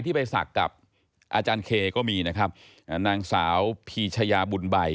ไปศักดิ์กับอาจารย์เคก็มีนะครับนางสาวพีชยาบุญใบ